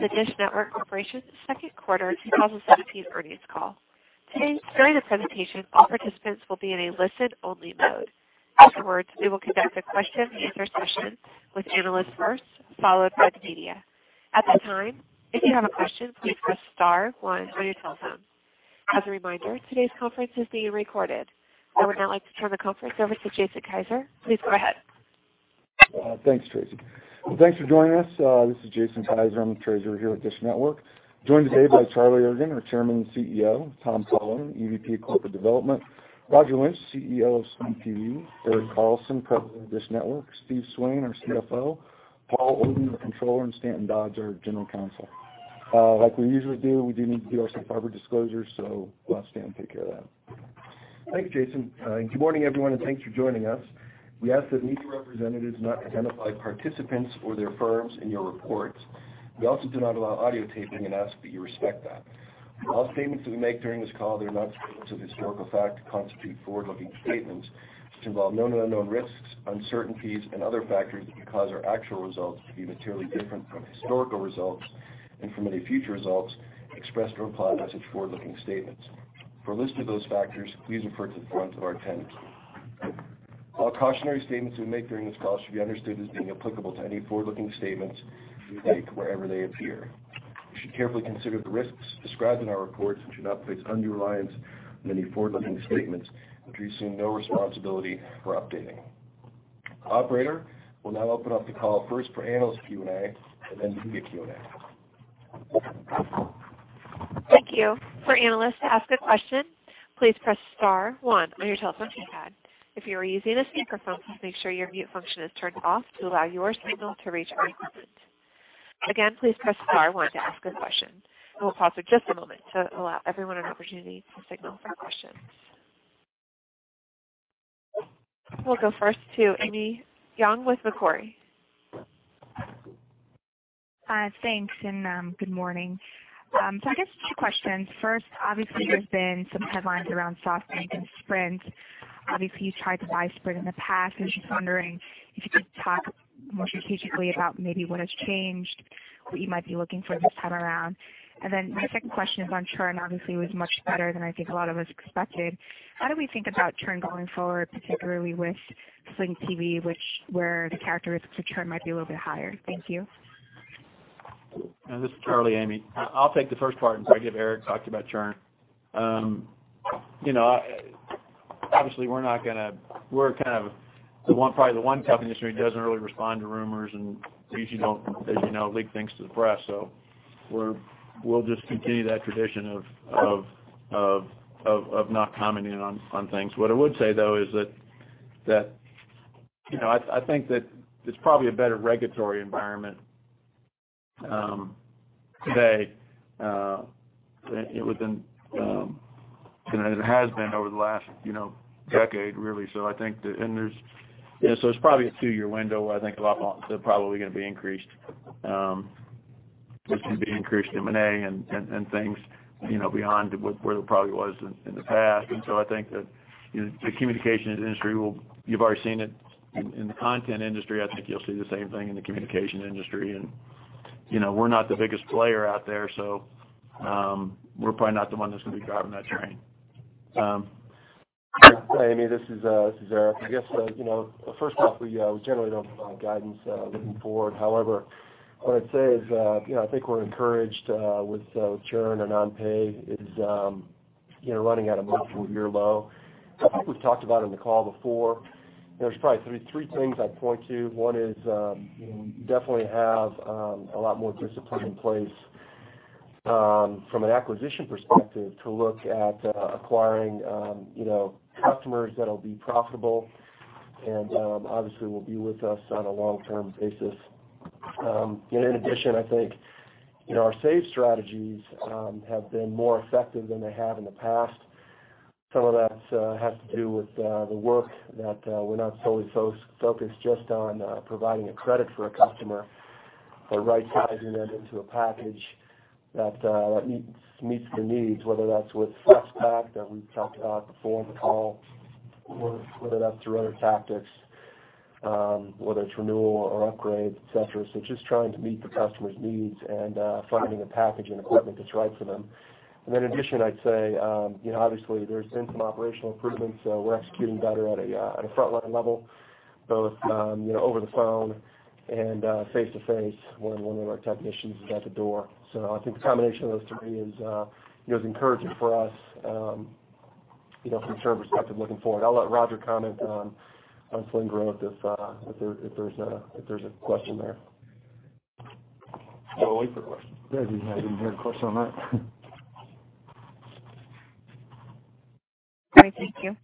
The DISH Network Corporation Second Quarter 2017 Earnings Call. Today, during the presentation, all participants will be in a listen only mode. Afterwards, we will conduct a question and answer session with analysts first, followed by the media. At that time, if you have a question, please press star one on your telephone. As a reminder, today's conference is being recorded. I would now like to turn the conference over to Jason Kiser. Please go ahead. Thanks, Tracy. Thanks for joining us. This is Jason Kiser. I am the Treasurer here at DISH Network. Joined today by Charlie Ergen, our Chairman and CEO, Tom Cullen, EVP of Corporate Development, Roger Lynch, CEO of Sling TV, Erik Carlson, President of DISH Network, Steven Swain, our CFO, Paul Orban, our Controller, and Stanton Dodge, our General Counsel. Like we usually do, we do need to do our safe harbor disclosures, so we will have Stanton take care of that. Thanks, Jason. Good morning, everyone, and thanks for joining us. We ask that media representatives not identify participants or their firms in your report. We also do not allow audio taping and ask that you respect that. All statements that we make during this call that are not statements of historical fact constitute forward-looking statements which involve known and unknown risks, uncertainties and other factors that could cause our actual results to be materially different from historical results and from any future results expressed or implied by such forward-looking statements. For a list of those factors, please refer to the front of our [tenets]. All cautionary statements we make during this call should be understood as being applicable to any forward-looking statements we make wherever they appear. You should carefully consider the risks described in our reports and should not place undue reliance on any forward-looking statements, which we assume no responsibility for updating. Operator, we'll now open up the call first for analyst Q&A and then media Q&A. Thank you. For analysts to ask a question, please press star one on your telephone keypad. If you are using a speakerphone, please make sure your mute function is turned off to allow your signal to reach our equipment. Again, please press star one to ask a question, and we'll pause for just a moment to allow everyone an opportunity to signal for questions. We'll go first to Amy Yong with Macquarie. Thanks and good morning. I guess two questions. First, obviously, there's been some headlines around SoftBank and Sprint. Obviously, you tried to buy Sprint in the past. I was just wondering if you could talk more strategically about maybe what has changed, what you might be looking for this time around. My second question is on churn. Obviously, it was much better than I think a lot of us expected. How do we think about churn going forward, particularly with Sling TV, where the characteristics of churn might be a little bit higher? Thank you. This is Charlie, Amy. I'll take the first part and probably give Erik to talk to you about churn. You know, obviously, probably the one company in this room doesn't really respond to rumors and usually don't, as you know, leak things to the press. We'll just continue that tradition of not commenting on things. What I would say, though, is that, you know, I think that it's probably a better regulatory environment today than it was in than it has been over the last, you know, decade, really. I think that and there's a two year window, where I think a lot more is probably going to be increased. There's going to be increased M&A and things, you know, beyond where there probably was in the past. I think that, you know, the communication industry will. You've already seen it in the content industry. I think you'll see the same thing in the communication industry. You know, we're not the biggest player out there, so we're probably not the one that's going to be driving that train. Amy, this is Erik. I guess, you know, first off, we generally don't provide guidance looking forward. What I'd say is, you know, I think we're encouraged with churn and on pay. It is, you know, running at a multiple-year low. I think we've talked about in the call before. You know, there's probably three things I'd point to. One is, we definitely have a lot more discipline in place from an acquisition perspective to look at acquiring, you know, customers that'll be profitable and obviously will be with us on a long-term basis. In addition, I think, you know, our save strategies have been more effective than they have in the past. Some of that has to do with the work that we're not solely focused just on providing a credit for a customer, but right-sizing them into a package that that meets their needs, whether that's with Flex Pack, that we've talked about before on the call or whether that's through other tactics, whether it's renewal or upgrade, et cetera. Just trying to meet the customer's needs and finding a package and equipment that's right for them. In addition, I'd say, you know, obviously there's been some operational improvements. We're executing better at a frontline level, both, you know, over the phone and face to face when one of our technicians is at the door. I think the combination of those three is, you know, is encouraging for us, you know, from a churn perspective looking forward. I'll let Roger comment on Sling TV if there's a question there. I'll wait for a question. Yeah, we didn't have any great question on that. All right. Thank you.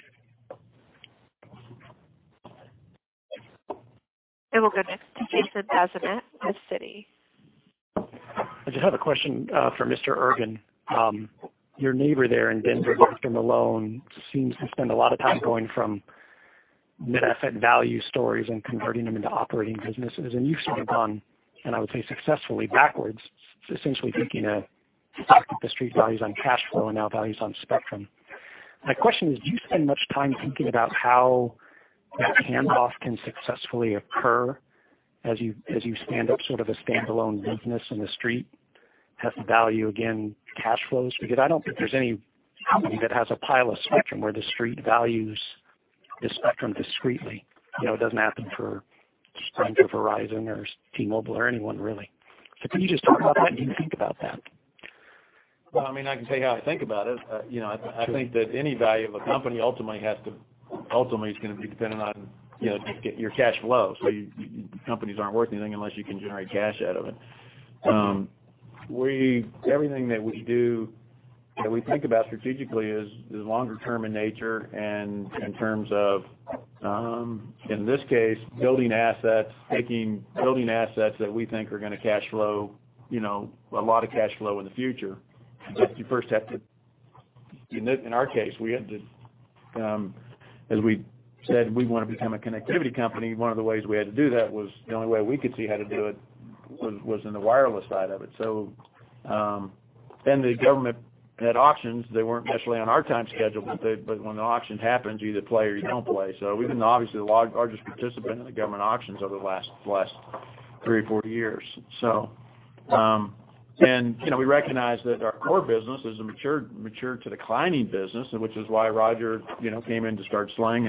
We'll go next to Jason Bazinet with Citi. I just have a question for Mr. Ergen. Your neighbor there in Denver, John Malone, seems to spend a lot of time going from mid-asset value stories and converting them into operating businesses. You've sort of gone, and I would say successfully, backwards, essentially taking a stock that the Street values on cash flow and now values on spectrum. My question is, do you spend much time thinking about how that handoff can successfully occur as you, as you stand up sort of a standalone business in the street? Has the value, again, cash flows? Because I don't think there's any company that has a pile of spectrum where the Street values the spectrum discreetly. You know, it doesn't happen for Sprint or Verizon or T-Mobile or anyone really. Can you just talk about how you think about that? Well, I mean, I can tell you how I think about it. you know. Sure I think that any value of a company ultimately has to ultimately is going to be dependent on, you know, your cash flow. Companies aren't worth anything unless you can generate cash out of it. Everything that we do, that we think about strategically is longer term in nature and in terms of, in this case, building assets, building assets that we think are going to cash flow, you know, a lot of cash flow in the future. You first have to in our case, we had to, as we said, we want to become a connectivity company. One of the ways we had to do that was the only way we could see how to do it was in the wireless side of it. The government had auctions. They weren't necessarily on our time schedule, when the auction happens, you either play or you don't play. We've been obviously the largest participant in the government auctions over the last three or four years. And, you know, we recognize that our core business is a matured to declining business, which is why Roger, you know, came in to start Sling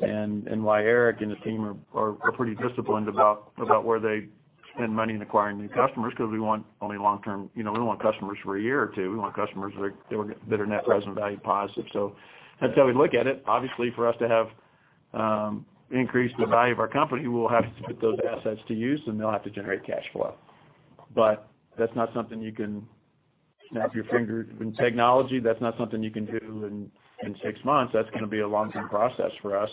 and why Erik and his team are pretty disciplined about where they spend money in acquiring new customers, 'cause we want only long-term. You know, we don't want customers for a year or two. We want customers that are net present value positive. That's how we look at it. Obviously, for us to have increased the value of our company, we'll have to put those assets to use, and they'll have to generate cash flow. That's not something you can snap your finger. In technology, that's not something you can do in six months. That's gonna be a long-term process for us.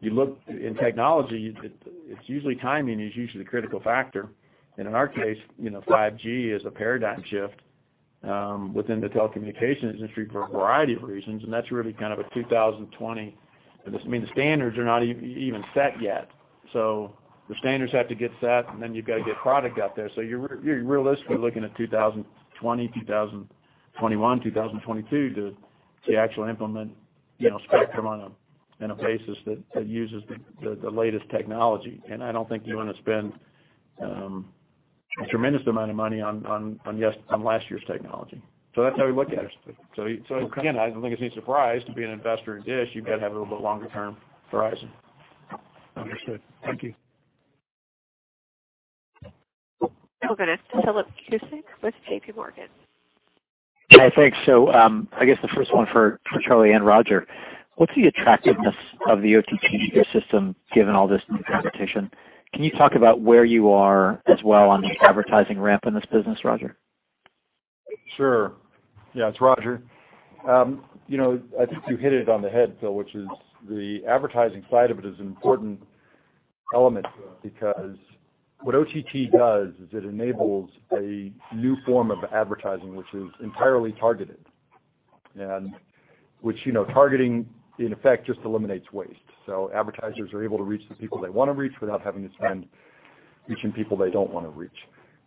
You look in technology, it's usually timing is usually the critical factor. In our case, you know, 5G is a paradigm shift within the telecommunications industry for a variety of reasons, and that's really kind of a 2020. I mean, the standards are not even set yet. The standards have to get set, and then you've got to get product out there. You're realistically looking at 2020, 2021, 2022 to actually implement, you know, spectrum in a basis that uses the latest technology. I don't think you wanna spend a tremendous amount of money on last year's technology. That's how we look at it. Okay. Again, I don't think it's any surprise to be an investor in DISH, you better have a little bit longer term horizon. Understood. Thank you. We'll go to Philip Cusick with JPMorgan. Thanks. I guess the first one for Charlie and Roger. What's the attractiveness of the OTT ecosystem given all this new competition? Can you talk about where you are as well on the advertising ramp in this business, Roger? Sure. Yeah, it's Roger. You know, I think you hit it on the head, Phil, which is the advertising side of it is an important element to it because what OTT does is it enables a new form of advertising, which is entirely targeted. You know, targeting in effect just eliminates waste. Advertisers are able to reach the people they wanna reach without having to spend reaching people they don't wanna reach.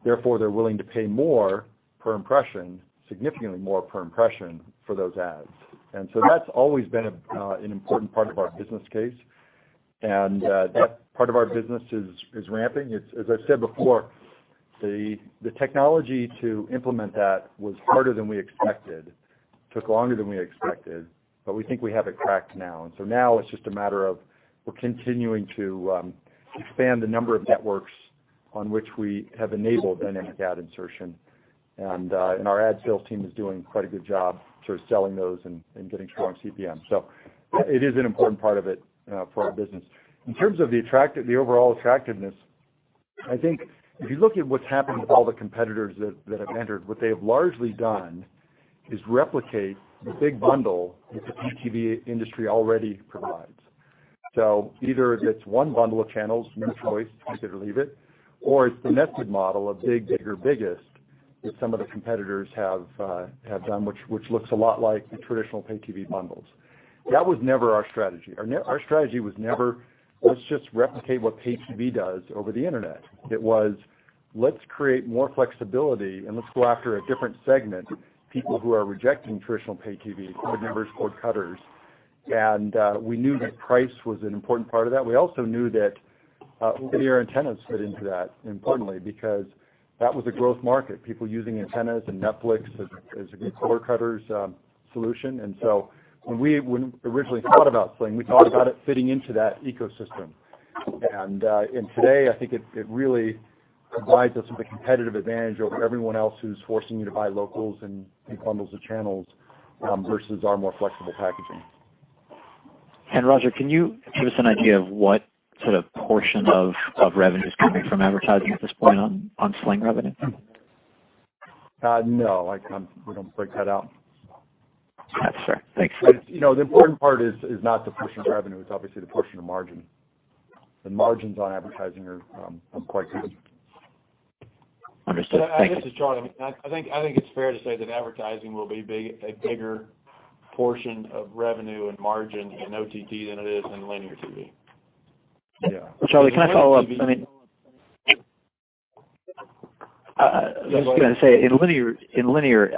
They're willing to pay more per impression, significantly more per impression for those ads. That's always been an important part of our business case. That part of our business is ramping. It's, as I've said before, the technology to implement that was harder than we expected, took longer than we expected, but we think we have it cracked now. Now it's just a matter of we're continuing to expand the number of networks on which we have enabled dynamic ad insertion. Our ad sales team is doing quite a good job sort of selling those and getting strong CPM. It is an important part of it for our business. In terms of the overall attractiveness, I think if you look at what's happened with all the competitors that have entered, what they have largely done is replicate the big bundle that the pay TV industry already provides. Either it's one bundle of channels, no choice, take it or leave it, or it's the nested model of big, bigger, biggest that some of the competitors have done, which looks a lot like the traditional pay TV bundles. That was never our strategy. Our strategy was never, let's just replicate what pay TV does over the Internet. It was, let's create more flexibility, and let's go after a different segment, people who are rejecting traditional pay TV, cord nevers, cord cutters. We knew that price was an important part of that. We also knew that video antennas fit into that importantly because that was a growth market, people using antennas and Netflix as a good cord cutters solution. When originally thought about Sling, we thought about it fitting into that ecosystem. Today, I think it really provides us with a competitive advantage over everyone else who's forcing you to buy locals and bundles of channels versus our more flexible packaging. Roger, can you give us an idea of what sort of portion of revenue is coming from advertising at this point on Sling revenue? No. I, we don't break that out. That's fair. Thanks. You know, the important part is not the portion of revenue. It's obviously the portion of margin. The margins on advertising are quite good. Understood. Thank you. This is Charlie. I think it's fair to say that advertising will be a bigger portion of revenue and margin in OTT than it is in linear TV. Yeah. Charlie, can I follow up? I mean, in linear,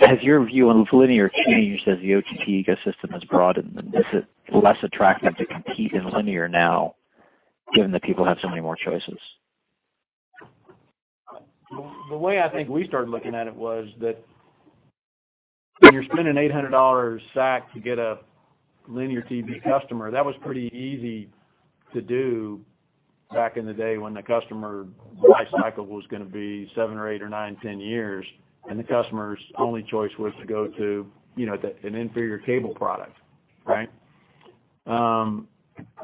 has your view on linear changed as the OTT ecosystem has broadened? Is it less attractive to compete in linear now, given that people have so many more choices? The way I think we started looking at it was that when you're spending $800 a SAC to get a linear TV customer, that was pretty easy to do back in the day when the customer life cycle was going to be seven or eight or nine, 10 years, and the customer's only choice was to go to, you know, an inferior cable product, right?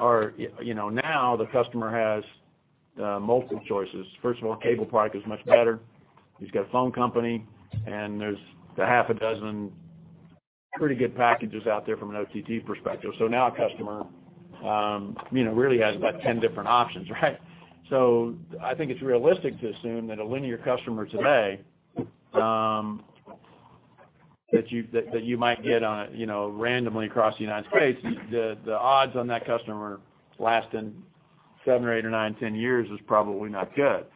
Or, you know, now the customer has multiple choices. First of all, cable product is much better. He's got a phone company, there's a half a dozen pretty good packages out there from an OTT perspective. Now a customer, you know, really has about 10 different options, right? I think it's realistic to assume that a linear customer today, that you might get on a, you know, randomly across the United States, the odds on that customer lasting seven or eight or nine, 10 years is probably not good.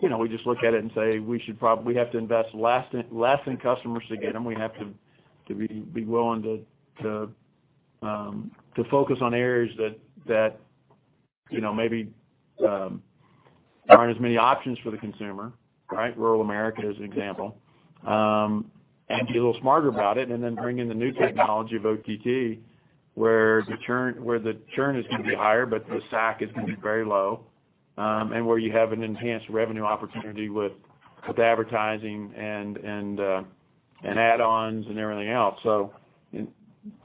You know, we just look at it and say, "We have to invest less in customers to get them. We have to be willing to focus on areas that, you know, maybe aren't as many options for the consumer," right. Rural AmErika, as an example. Be a little smarter about it, then bring in the new technology of OTT, where the churn is gonna be higher, but the SAC is gonna be very low, and where you have an enhanced revenue opportunity with advertising and add-ons and everything else.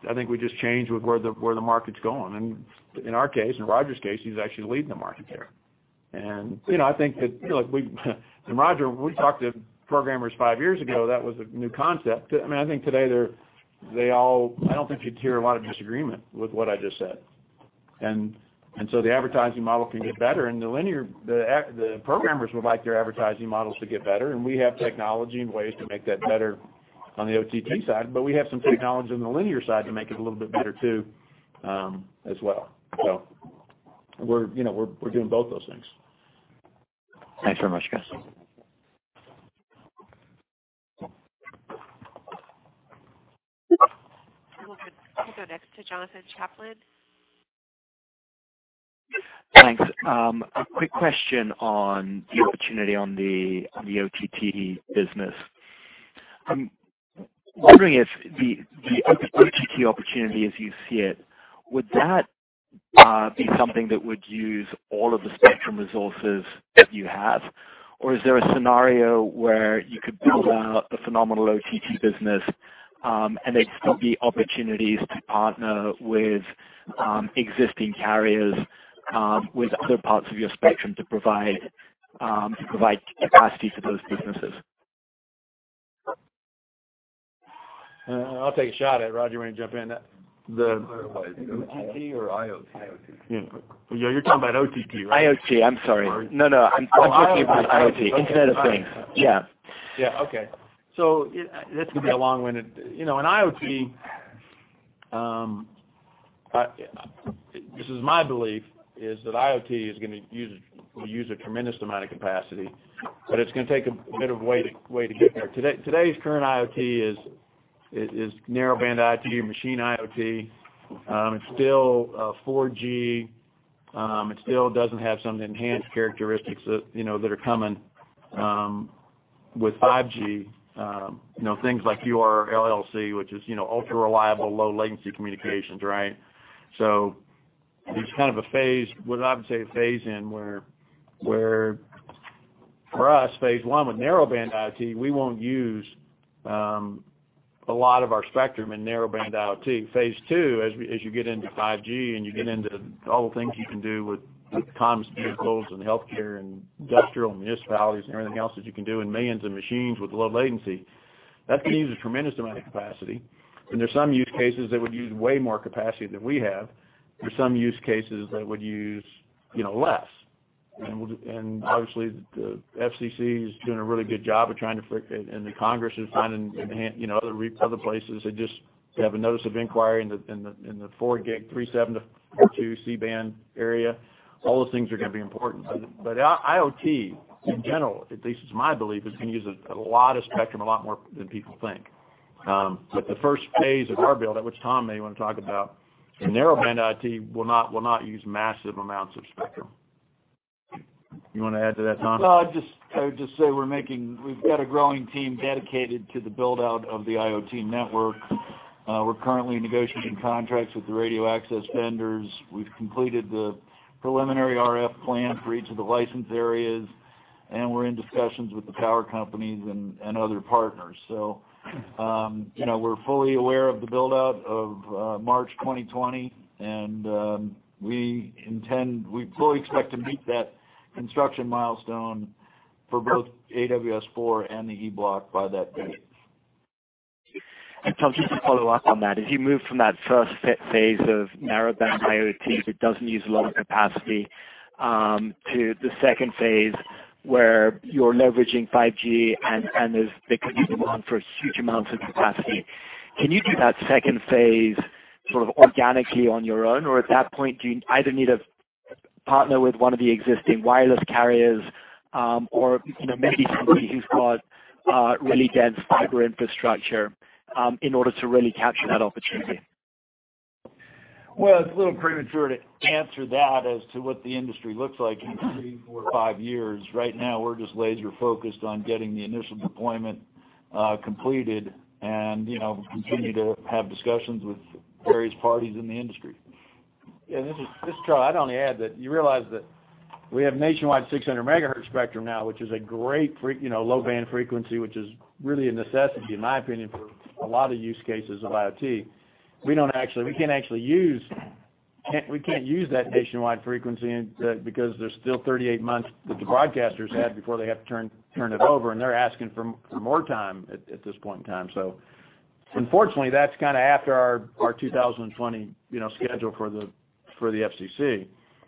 I think we just change with where the market's going. In our case, in Roger's case, he's actually leading the market there. You know, I think that, you know, we talked to programmers five years ago, that was a new concept. I mean, I think today they all I don't think you'd hear a lot of disagreement with what I just said. The advertising model can get better, and the linear, the programmers would like their advertising models to get better, and we have technology and ways to make that better on the OTT side, but we have some technology on the linear side to make it a little bit better too, as well. We're doing both those things. Thanks very much, guys. We'll go next to [Jonathan Chaplin]. Thanks. A quick question on the opportunity on the OTT business. I'm wondering if the OTT opportunity as you see it, would that be something that would use all of the spectrum resources that you have? Or is there a scenario where you could build out a phenomenal OTT business, and there could be opportunities to partner with existing carriers, with other parts of your spectrum to provide capacity to those businesses? I'll take a shot at it. Roger, you wanna jump in? OTT or IoT? Yeah. You're talking about OTT, right? IoT, I'm sorry. No, no, I'm talking about IoT. IoT. Internet of Things. Yeah. Yeah. Okay. This could be a long-winded. You know, in IoT, this is my belief, is that IoT is going to use, will use a tremendous amount of capacity, but it's going to take a bit of way to get there. Today's current IoT is Narrowband IoT or machine IoT. It's still 4G. It still doesn't have some of the enhanced characteristics that, you know, that are coming with 5G. You know, things like URLLC, which is, you know, ultra reliable low latency communications, right? There's kind of a phase, what I would say a phase in where for us, phase I with Narrowband IoT, we won't use a lot of our spectrum in Narrowband IoT. Phase II, as you get into 5G and you get into all the things you can do with autonomous vehicles and healthcare and industrial municipalities and everything else that you can do in millions of machines with low latency, that's gonna use a tremendous amount of capacity. There's some use cases that would use way more capacity than we have. There's some use cases that would use, you know, less. We'll obviously, the FCC is doing a really good job of trying to. The Congress is finding enhanced, you know, other places. They just, they have a notice of inquiry in the 4 GHz, 3.7 GHz to 4.2 GHz C-band area. All those things are gonna be important. IoT in general, at least it's my belief, is gonna use a lot of spectrum, a lot more than people think. The first phase of our build, which Tom may wanna talk about, Narrowband IoT will not use massive amounts of spectrum. You wanna add to that, Tom? No, I would just say we've got a growing team dedicated to the build-out of the IoT network. We're currently negotiating contracts with the radio access vendors. We've completed the preliminary RF plan for each of the license areas, and we're in discussions with the power companies and other partners. You know, we're fully aware of the build-out of March 2020, and we fully expect to meet that construction milestone for both AWS4 and the E Block by that date. Tom, just to follow up on that. As you move from that first phase of Narrowband IoT that doesn't use a lot of capacity, to the second phase, where you're leveraging 5G and there's the potential for huge amounts of capacity, can you do that second phase sort of organically on your own, or at that point, do you either need to partner with one of the existing wireless carriers, or you know, maybe somebody who's got really dense fiber infrastructure, in order to really capture that opportunity? Well, it's a little premature to answer that as to what the industry looks like in three, four, five years. Right now, we're just laser focused on getting the initial deployment completed and, you know, continue to have discussions with various parties in the industry. This is Charlie. I'd only add that you realize that we have nationwide 600 MHz spectrum now, which is a great, you know, low band frequency, which is really a necessity, in my opinion, for a lot of use cases of IoT. We can't actually use that nationwide frequency because there's still 38 months that the broadcasters have before they have to turn it over, they're asking for more time at this point in time. Unfortunately, that's kind of after our 2020, you know, schedule for the FCC.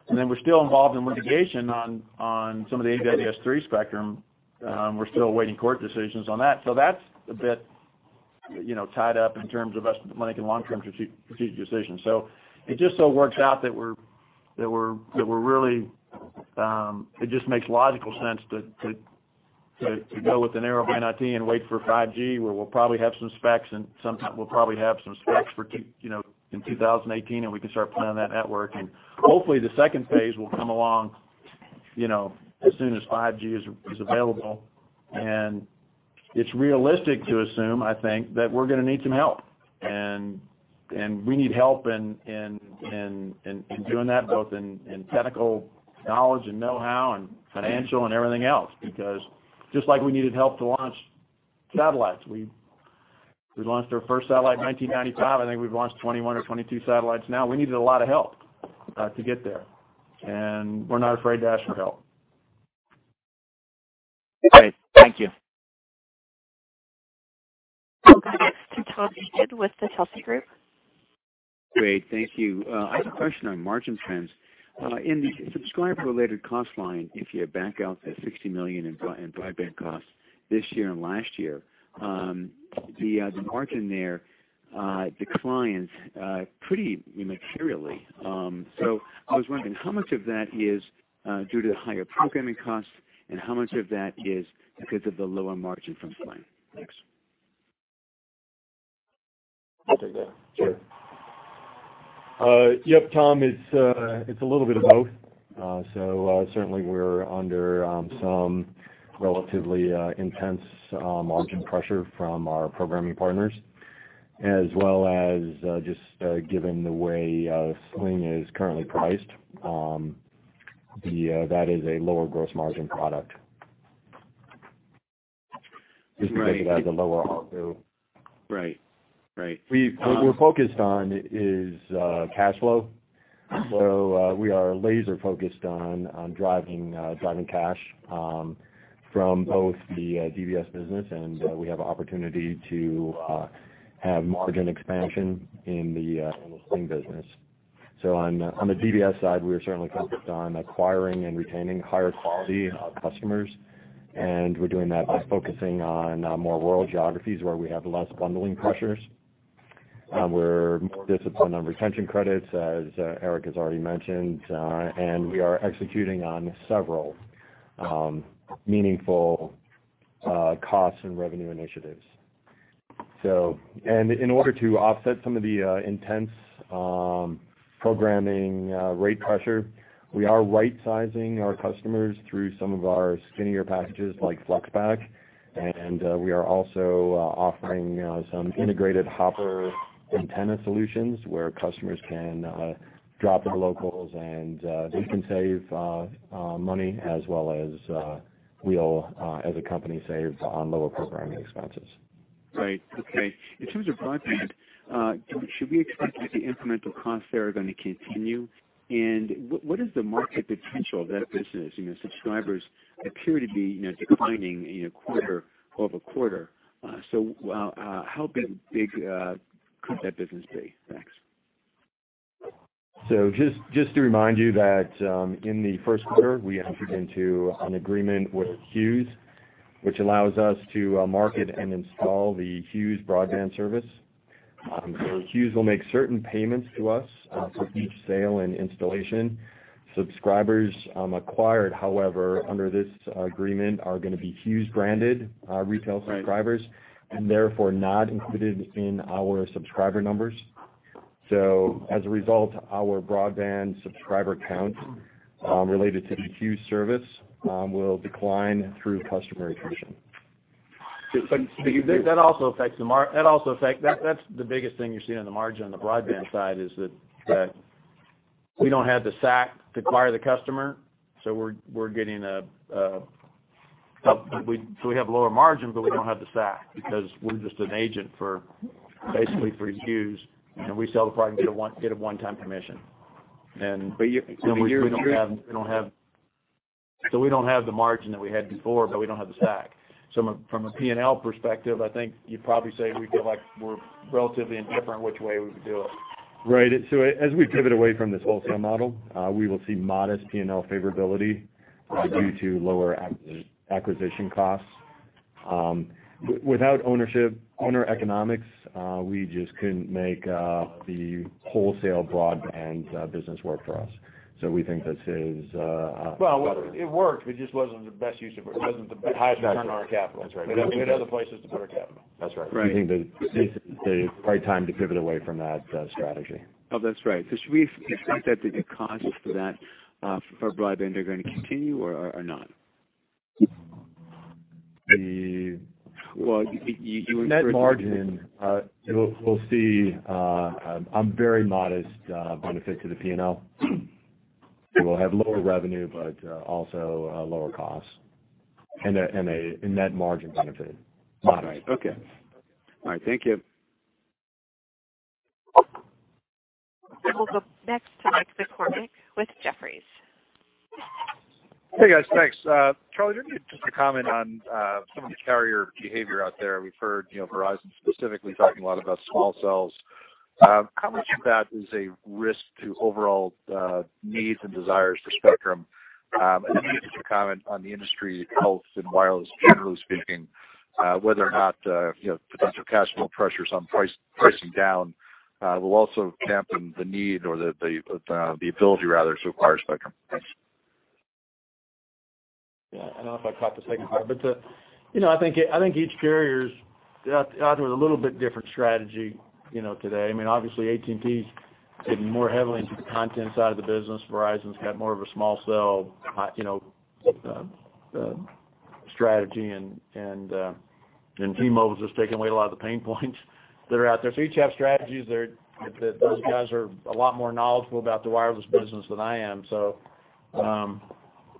We're still involved in litigation on some of the AWS-3 spectrum. We're still awaiting court decisions on that. That's a bit, you know, tied up in terms of us making long-term strategic decisions. It just so works out that we're really, it just makes logical sense to go with the Narrowband IoT and wait for 5G, where we'll probably have some specs and sometime we'll probably have some specs for two, you know, in 2018, and we can start planning that network. Hopefully, the second phase will come along, you know, as soon as 5G is available. It's realistic to assume, I think, that we're gonna need some help. We need help in doing that, both in technical knowledge and know-how and financial and everything else. Because just like we needed help to launch satellites, we launched our first satellite in 1995. I think we've launched 21 or 22 satellites now. We needed a lot of help to get there, and we're not afraid to ask for help. Great. Thank you. We'll go next to [Tom Eagan] with the Telsey Group. Great. Thank you. I have a question on margin trends. In the subscriber-related cost line, if you back out the $60 million in broadband costs this year and last year, the margin there declines pretty materially. I was wondering how much of that is due to higher programming costs and how much of that is because of the lower margin from Sling? Thanks. I'll take that. Sure. Yep, Tom, it's a little bit of both. Certainly we're under some relatively intense margin pressure from our programming partners, as well as just given the way Sling is currently priced. That is a lower gross margin product. Right. Just because it has a lower ARPU. Right. Right. What we're focused on is cash flow. We are laser focused on driving cash from both the DBS business, and we have an opportunity to have margin expansion in the Sling business. On the DBS side, we are certainly focused on acquiring and retaining higher quality customers, and we're doing that by focusing on more rural geographies where we have less bundling pressures. We're more disciplined on retention credits, as Erik has already mentioned, and we are executing on several meaningful cost and revenue initiatives. In order to offset some of the intense programming rate pressure, we are right-sizing our customers through some of our skinnier packages like. We are also offering some integrated Hopper antenna solutions where customers can drop their locals and they can save money as well as we'll as a company save on lower programming expenses. Right. Okay. In terms of broadband, should we expect that the incremental costs there are gonna continue? What is the market potential of that business? You know, subscribers appear to be, you know, declining, you know, quarter-over-quarter. How big could that business be? Thanks. Just to remind you that, in the first quarter, we entered into an agreement with Hughes, which allows us to market and install the Hughes broadband service. Hughes will make certain payments to us for each sale and installation. Subscribers acquired, however, under this agreement are gonna be Hughes branded retail subscribers. Right And therefore not included in our subscriber numbers. As a result, our broadband subscriber count, related to the Hughes service, will decline through customer attrition. That's the biggest thing you're seeing on the margin on the broadband side is that we don't have the SAC to acquire the customer. We have lower margin. We don't have the SAC because we're just an agent for basically for Hughes, and we sell the product, get a one-time commission. But you, but you- We don't have the margin that we had before, but we don't have the SAC. From a P&L perspective, I think you'd probably say we feel like we're relatively indifferent which way we would do it. Right. As we pivot away from this wholesale model, we will see modest P&L favorability due to lower acquisition costs. Without ownership, owner economics, we just couldn't make the wholesale broadband business work for us. We think this is better. Well, it worked, it just wasn't the best use of. It wasn't the highest return on our capital. That's right. That's right. We had other places to put our capital. That's right. Right. We think that this is the right time to pivot away from that strategy. Oh, that's right. Should we assume that the costs for that, for broadband are gonna continue or not? The- Well, you referred to- Net margin, we'll see, a very modest benefit to the P&L. We'll have lower revenue but, also, lower costs, and a net margin benefit. Modest. All right. Okay. All right, thank you. We'll go next to Mike McCormack with Jefferies. Hey, guys. Thanks. Charlie, do you have just a comment on some of the carrier behavior out there? We've heard, you know, Verizon specifically talking a lot about small cells. How much of that is a risk to overall needs and desires for spectrum? Maybe just a comment on the industry health in wireless, generally speaking, whether or not, you know, potential capital pressures on price, pricing down, will also dampen the need or the ability rather to acquire spectrum. Thanks. Yeah. I don't know if I caught the second part. You know, I think each carrier's out with a little bit different strategy, you know, today. I mean, obviously AT&T's getting more heavily into the content side of the business. Verizon's got more of a small cell, you know, strategy. T-Mobile's just taking away a lot of the pain points that are out there. Each have strategies that those guys are a lot more knowledgeable about the wireless business than I am.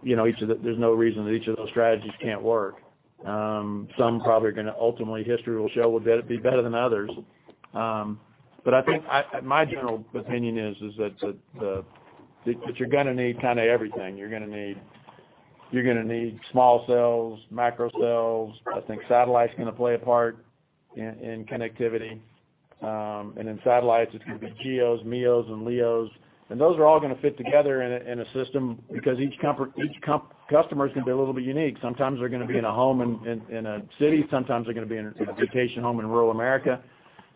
You know, each of the there's no reason that each of those strategies can't work. Some probably are gonna ultimately, history will show will be better than others. I think, my general opinion is that the, that you're gonna need kinda everything. You're gonna need small cells, macro cells. I think satellite's gonna play a part in connectivity. In satellites, it's gonna be GEOs, MEOs, and LEOs. Those are all gonna fit together in a system because each customer can be a little bit unique. Sometimes they're gonna be in a home in a city. Sometimes they're gonna be in a vacation home in rural AmErika.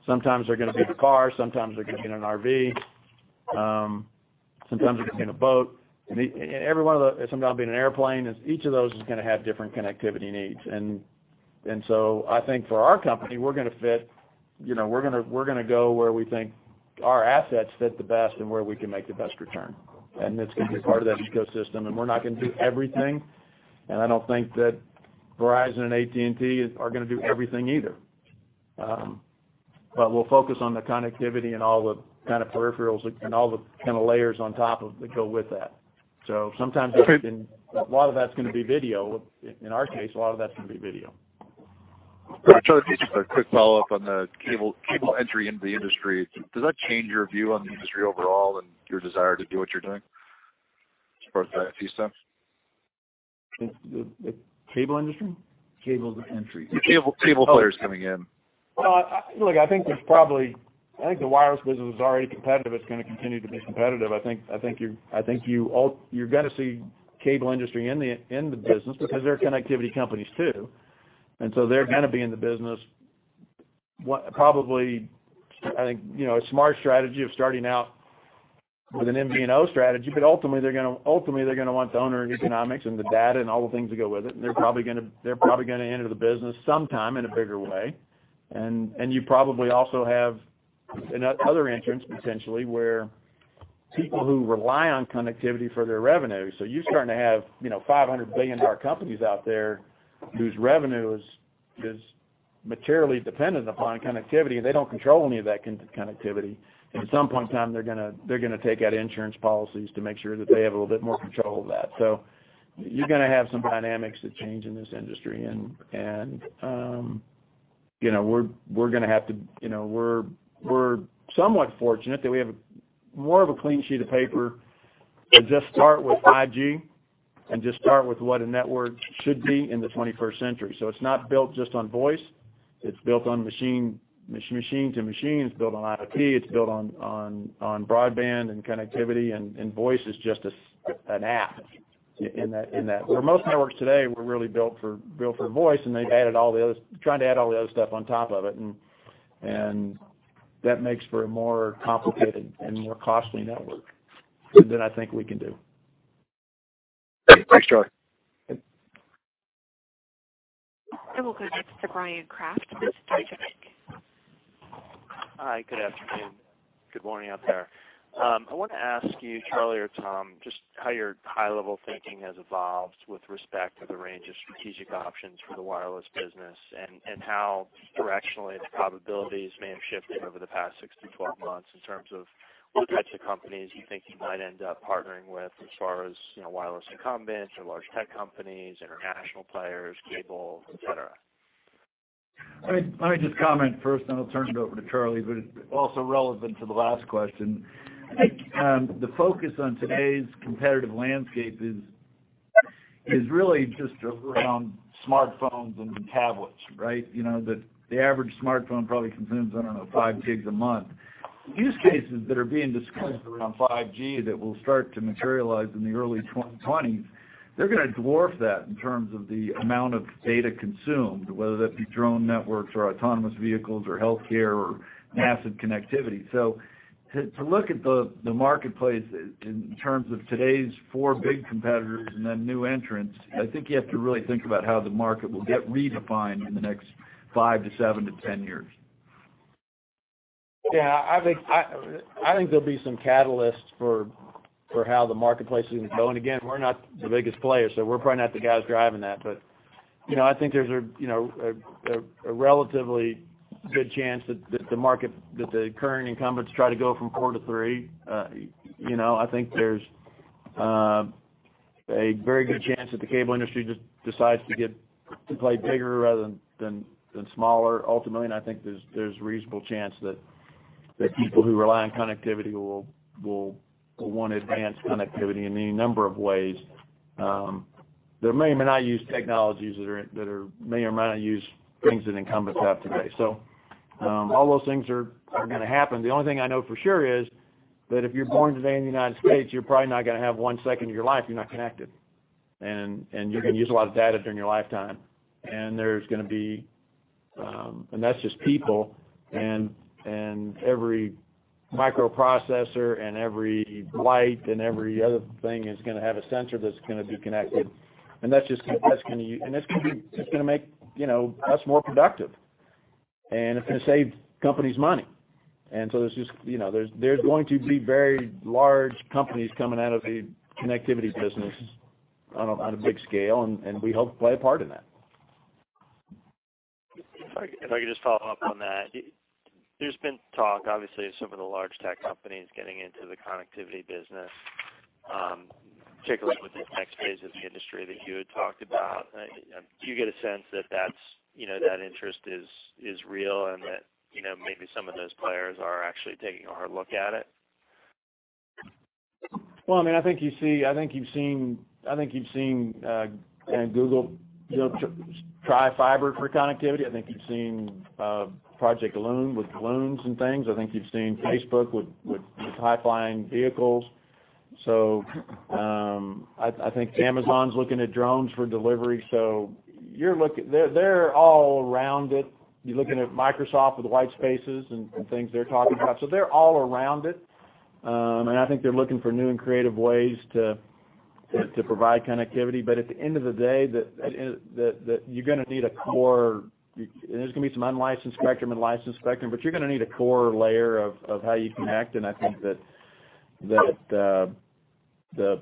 Sometimes they're gonna be in a car, sometimes they're gonna be in an RV. Sometimes they're gonna be in a boat. Sometimes they're gonna be in an airplane. Each of those is gonna have different connectivity needs. I think for our company, we're gonna go where we think our assets fit the best and where we can make the best return. It's gonna be part of that ecosystem, and we're not gonna do everything, and I don't think that Verizon and AT&T are gonna do everything either. We'll focus on the connectivity and all the kind of peripherals and all the kinda layers on top of that go with that. Sometimes it's been A lot of that's gonna be video. In, in our case, a lot of that's gonna be video. Charlie, just a quick follow-up on the cable entry into the industry. Does that change your view on the industry overall and your desire to do what you're doing as far as that's concerned? The cable industry? Cable entry. The cable players coming in. Well, I think the wireless business is already competitive. It's gonna continue to be competitive. I think you're gonna see cable industry in the business because they're connectivity companies too. They're gonna be in the business. What probably, I think, you know, a smart strategy of starting out with an MVNO strategy, but ultimately they're gonna ultimately they're gonna want the owner economics and the data and all the things that go with it, and they're probably gonna enter the business sometime in a bigger way. You probably also have another entrants potentially where people who rely on connectivity for their revenue. You're starting to have, you know, $500 billion companies out there whose revenue is materially dependent upon connectivity, and they don't control any of that connectivity. At some point in time, they're gonna take out insurance policies to make sure that they have a little bit more control of that. You're gonna have some dynamics that change in this industry. We're gonna have to, you know, we're somewhat fortunate that we have more of a clean sheet of paper to just start with 5G and just start with what a network should be in the 21st century. It's not built just on voice. It's built on machine to machines. It's built on IoT. It's built on broadband and connectivity, and voice is just an app in that. Where most networks today were really built for voice, and they've added all the other, trying to add all the other stuff on top of it. That makes for a more complicated and more costly network than I think we can do. Thanks, Charlie. Yep. I will go next to Bryan Kraft with Stifel. Hi, good afternoon. Good morning out there. I wanted to ask you, Charlie or Tom, just how your high-level thinking has evolved with respect to the range of strategic options for the wireless business and how directionally the probabilities may have shifted over the past six to twelve months in terms of what types of companies you think you might end up partnering with as far as, you know, wireless incumbents or large tech companies, international players, cable, et cetera? Let me just comment first, then I'll turn it over to Charlie, but it's also relevant to the last question. The focus on today's competitive landscape is really just around smartphones and tablets, right? You know, the average smartphone probably consumes, I don't know, 5 GHz a month. Use cases that are being discussed around 5G that will start to materialize in the early 2020s. They're gonna dwarf that in terms of the amount of data consumed, whether that be drone networks or autonomous vehicles or healthcare or massive connectivity. To look at the marketplace in terms of today's 4 big competitors and then new entrants, I think you have to really think about how the market will get redefined in the next five to seven to 10 years. Yeah. I think there'll be some catalyst for how the marketplace is going to go. Again, we're not the biggest player, so we're probably not the guys driving that. You know, I think there's a, you know, a relatively good chance that the current incumbents try to go from four to three. You know, I think there's a very good chance that the cable industry just decides to play bigger rather than smaller. Ultimately, I think there's reasonable chance that people who rely on connectivity will want advanced connectivity in any number of ways. That may or may not use technologies that may or may not use things that incumbents have today. All those things are gonna happen. The only thing I know for sure is that if you're born today in the U.S., you're probably not gonna have one second of your life you're not connected, and you're gonna use a lot of data during your lifetime. There's gonna be, and that's just people and every microprocessor and every light and every other thing is gonna have a center that's gonna be connected. That's just, that's gonna make, you know, us more productive, and it's gonna save companies money. There's just, you know, there's going to be very large companies coming out of the connectivity business on a, on a big scale, and we hope to play a part in that. If I could just follow up on that. There's been talk, obviously, of some of the large tech companies getting into the connectivity business, particularly with this next phase of the industry that you had talked about. Do you get a sense that that's, you know, that interest is real and that, you know, maybe some of those players are actually taking a hard look at it? Well, I mean, I think you've seen, you know, Google, you know, try fiber for connectivity. I think you've seen Project Loon with balloons and things. I think you've seen Facebook with high-flying vehicles. I think Amazon's looking at drones for delivery, so you're looking. They're all around it. You're looking at Microsoft with the white spaces and things they're talking about. They're all around it. I think they're looking for new and creative ways to provide connectivity. At the end of the day, there's going to be some unlicensed spectrum and licensed spectrum, but you're going to need a core layer of how you connect. I think that the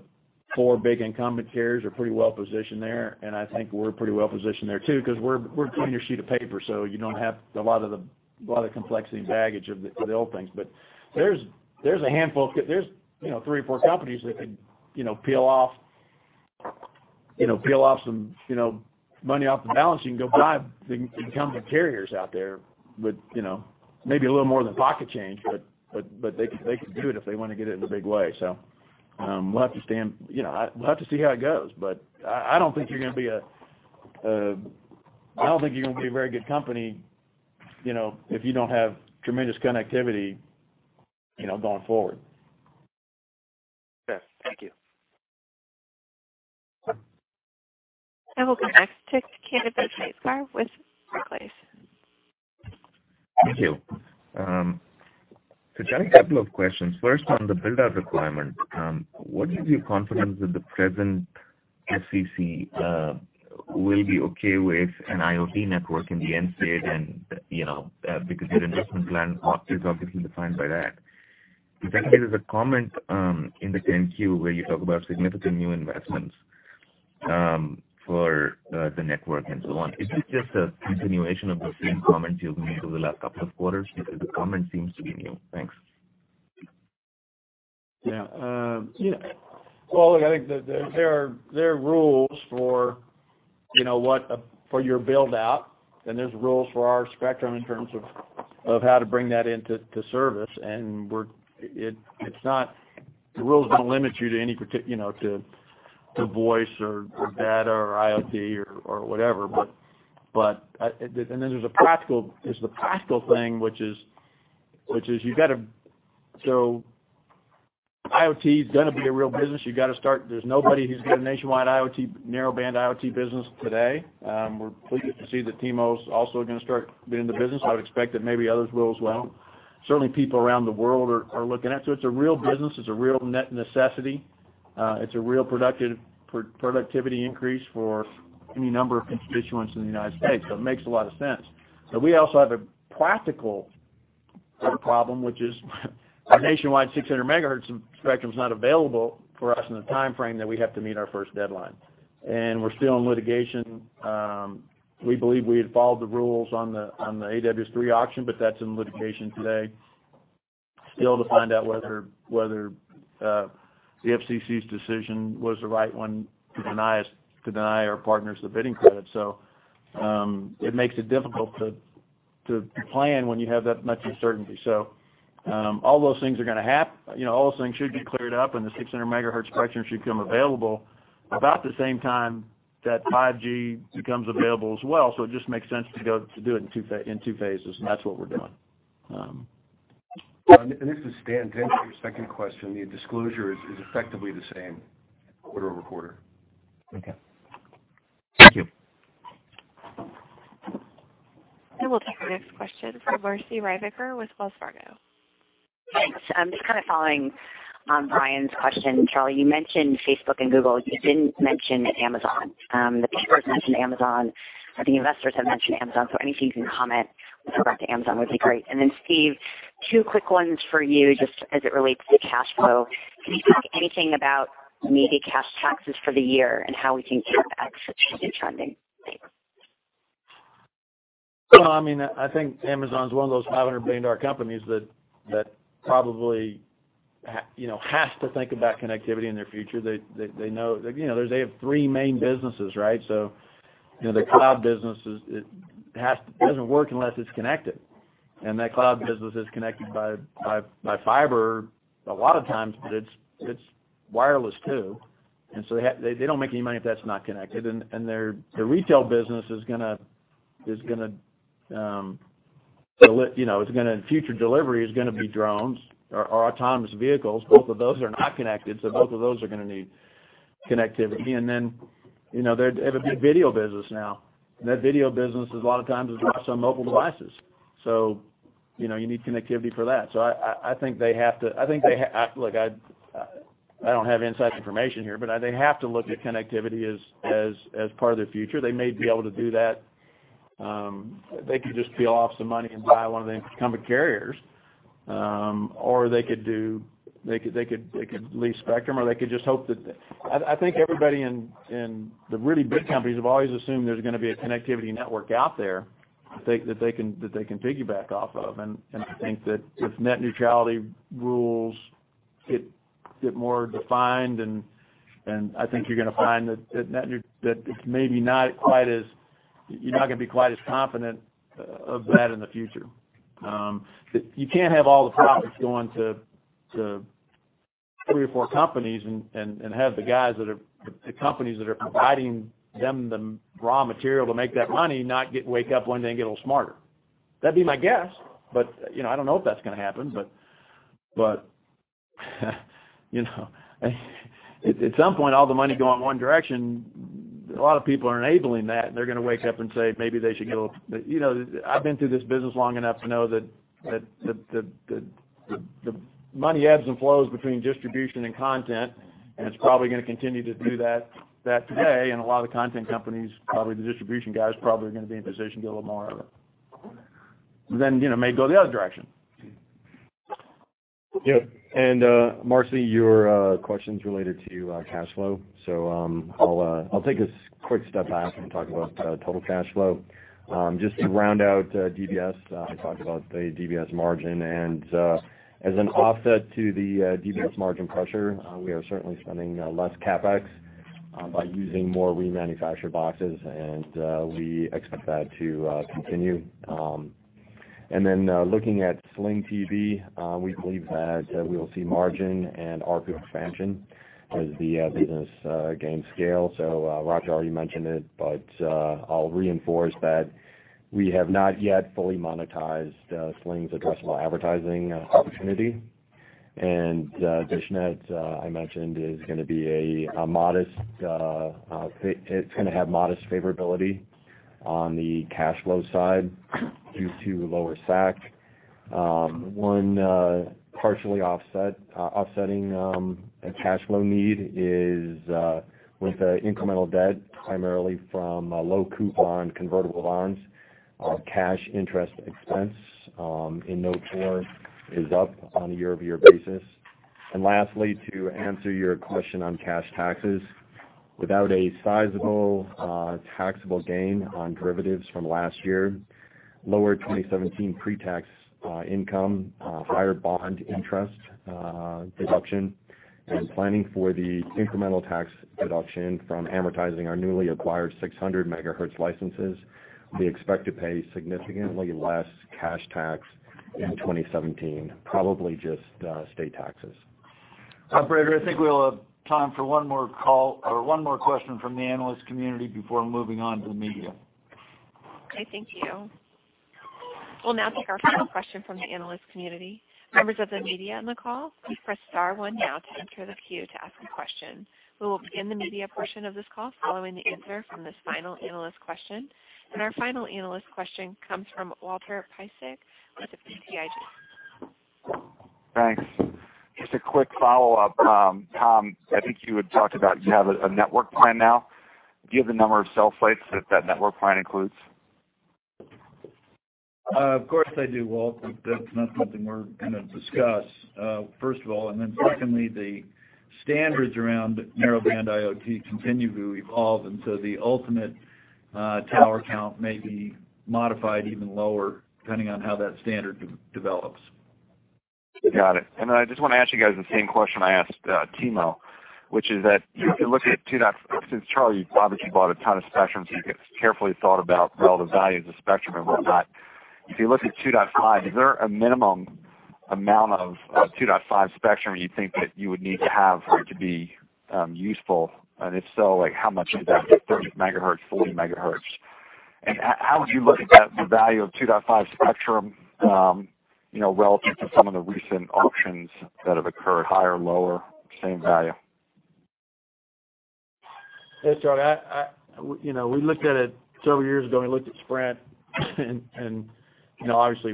four big incumbent carriers are pretty well-positioned there, and I think we're pretty well-positioned there, too, because we're a cleaner sheet of paper, so you don't have a lot of the complexity and baggage of the old things. There's, you know, three or four companies that can, you know, peel off, you know, peel off some, you know, money off the balance sheet and go buy the incumbent carriers out there with, you know, maybe a little more than pocket change, but, but they could, they could do it if they want to get it in a big way. We'll have to see how it goes, but I don't think you're going to be a very good company, you know, if you don't have tremendous connectivity, you know, going forward. Okay. Thank you. I will go next to [Kanav Saraf] with Barclays. Thank you. John, a couple of questions. First, on the build-out requirement, what gives you confidence that the present FCC will be okay with an IoT network in the end state and, you know, because your investment plan is obviously defined by that? The second is a comment in the 10-Q where you talk about significant new investments for the network and so on. Is this just a continuation of the same comments you've made over the last couple of quarters? The comment seems to be new. Thanks. Yeah, you know, well, look, I think that there are rules for, you know, what for your build-out, and there's rules for our spectrum in terms of how to bring that into service. The rules don't limit you to any, you know, to voice or data or IoT or whatever. Then there's the practical thing, which is you gotta. IoT is gonna be a real business. You've got to start. There's nobody who's got a nationwide IoT, Narrowband IoT business today. We're pleased to see that T-Mobile's also gonna start being in the business. I would expect that maybe others will as well. Certainly, people around the world are looking at it. It's a real business. It's a real necessity. It's a real productivity increase for any number of constituents in the U.S., it makes a lot of sense. We also have a practical problem, which is our nationwide 600 MHz of spectrum's not available for us in the timeframe that we have to meet our first deadline. We're still in litigation. We believe we had followed the rules on the, on the AWS-3 auction, that's in litigation today. Still to find out whether the FCC's decision was the right one to deny our partners the bidding credit. It makes it difficult to plan when you have that much uncertainty. All those things, you know, all those things should get cleared up, and the 600 MHz spectrum should become available about the same time that 5G becomes available as well. It just makes sense to do it in two phases, that's what we're doing. This is Stan. To answer your second question, the disclosure is effectively the same quarter-over-quarter. Okay. Thank you. I will take the next question from Marci Ryvicker with Wells Fargo. Thanks. I'm just kinda following on Bryan's question. Charlie, you mentioned Facebook and Google. You didn't mention Amazon. The papers mentioned Amazon. I think investors have mentioned Amazon, so anything you can comment with regard to Amazon would be great. Steve, two quick ones for you, just as it relates to cash flow. Can you talk anything about maybe cash taxes for the year and how we can keep that executing trending? Thanks. No, I mean, I think Amazon's one of those $500 billion companies that probably, you know, has to think about connectivity in their future. They know, you know, they have 3 main businesses, right? You know, the cloud business is, doesn't work unless it's connected. That cloud business is connected by fiber a lot of times, but it's wireless too. They don't make any money if that's not connected. Their retail business is gonna, you know, future delivery is gonna be drones or autonomous vehicles. Both of those are not connected, both of those are gonna need connectivity. You know, they're, they have a big video business now, and that video business is a lot of times is watched on mobile devices. You know, you need connectivity for that. I don't have inside information here, but they have to look at connectivity as part of their future. They may be able to do that. They could just peel off some money and buy one of the incumbent carriers. They could do They could lease spectrum, or they could just hope that I think everybody in the really big companies have always assumed there's gonna be a connectivity network out there that they can piggyback off of. I think that if net neutrality rules get more defined and, I think you're gonna find that it's maybe not quite as you're not gonna be quite as confident of that in the future. You can't have all the profits going to three or four companies and have the companies that are providing them the raw material to make that money wake up one day and get a little smarter. That'd be my guess. You know, I don't know if that's gonna happen. You know, at some point, all the money go in one direction, a lot of people are enabling that, and they're gonna wake up and say, maybe they should get a little. You know, I've been through this business long enough to know that the money ebbs and flows between distribution and content, and it's probably gonna continue to do that today. A lot of the content companies, probably the distribution guys probably are gonna be in position to get a little more of it. You know, may go the other direction. Marci, your question's related to cash flow. I'll take a quick step back and talk about total cash flow. Just to round out DBS, I talked about the DBS margin. As an offset to the DBS margin pressure, we are certainly spending less CapEx by using more remanufactured boxes, and we expect that to continue. Looking at Sling TV, we believe that we will see margin and ARPU expansion as the business gains scale. Roger already mentioned it, but I'll reinforce that we have not yet fully monetized Sling's addressable advertising opportunity. dishNET, I mentioned, is gonna have modest favorability on the cash flow side due to lower SAC. One partially offsetting a cash flow need is with the incremental debt, primarily from low coupon convertible bonds, cash interest expense in no core is up on a year-over-year basis. Lastly, to answer your question on cash taxes, without a sizable taxable gain on derivatives from last year, lower 2017 pre-tax income, prior bond interest deduction, and planning for the incremental tax deduction from amortizing our newly acquired 600 MHz licenses, we expect to pay significantly less cash tax in 2017, probably just state taxes. Operator, I think we'll have time for one more call or one more question from the analyst community before moving on to the media. Okay, thank you. We'll now take our final question from the analyst community. Members of the media on the call, please press star 1 now to enter the queue to ask a question. We will begin the media portion of this call following the answer from this final analyst question. Our final analyst question comes from Walter Piecyk with BTIG. Thanks. Just a quick follow-up. Tom, I think you had talked about you have a network plan now. Do you have the number of cell sites that that network plan includes? Of course I do, Walt. That's not something we're gonna discuss, first of all. Secondly, the standards around Narrowband IoT continue to evolve, and so the ultimate, tower count may be modified even lower depending on how that standard develops. Got it. Then I just wanna ask you guys the same question I asked T-Mo, which is that. Since Charlie, you've obviously bought a ton of spectrum, so you've carefully thought about relative value of the spectrum and whatnot. If you look at 2.5, is there a minimum amount of 2.5 spectrum you think that you would need to have for it to be useful? If so, like, how much is that? 30 MHz? 40 MHz? How would you look at the value of 2.5 spectrum, you know, relative to some of the recent auctions that have occurred, higher, lower, same value? Hey, Charlie, you know, we looked at it several years ago when we looked at Sprint, and, you know, obviously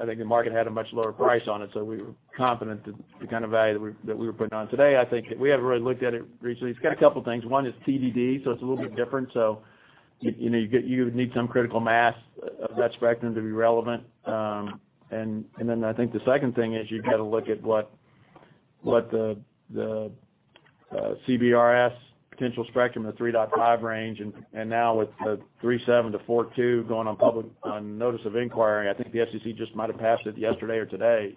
I think the market had a much lower price on it, so we were confident that the kind of value that we were putting on today, I think we haven't really looked at it recently. It's got a couple things. One is TDD, so it's a little bit different. You know, you need some critical mass of that spectrum to be relevant. Then I think the second thing is you've got to look at what the CBRS potential spectrum in the 3.5 MHz range and now with the 3.7 MHz-4.2MHz going on public, on notice of inquiry. I think the FCC just might have passed it yesterday or today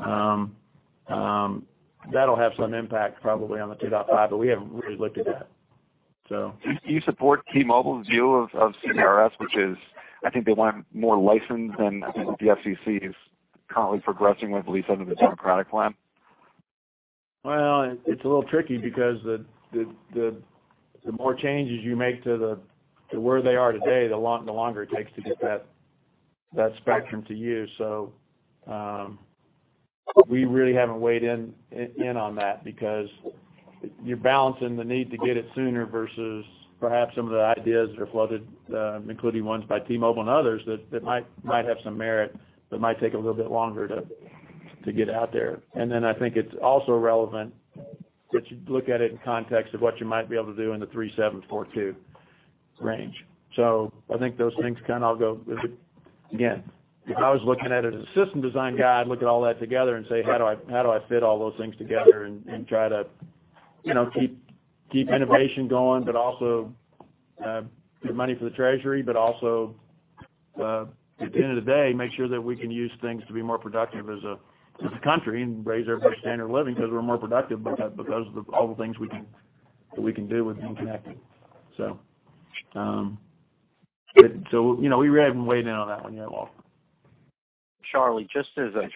even. That'll have some impact probably on the 2.5, but we haven't really looked at that. Do you support T-Mobile's view of CBRS, which is I think they want more license than the FCC is currently progressing with, at least under the Democratic plan? Well, it's a little tricky because the more changes you make to the, to where they are today, the longer it takes to get that spectrum to you. We really haven't weighed in on that because you're balancing the need to get it sooner versus perhaps some of the ideas that are floated, including ones by T-Mobile and others that might have some merit, but might take a little bit longer to get out there. I think it's also relevant that you look at it in context of what you might be able to do in the 3.7 MHz-4.2 MHz range. I think those things kind of all go Again, if I was looking at it as a system design guide, look at all that together and say, "How do I fit all those things together and try to, you know, keep innovation going, but also get money for the treasury, but also at the end of the day, make sure that we can use things to be more productive as a country and raise everybody's standard of living because we're more productive because of all the things we can do with being connected." You know, we really haven't weighed in on that one yet, Walter. Charlie, just as a